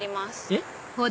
えっ？